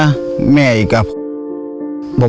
มีแม่อยู่กับผม